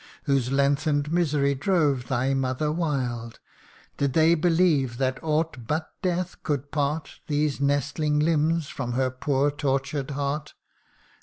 Whose lengthen'd misery drove thy mother wild, Did they believe that aught but death could part These nestling limbs from her poor tortured heart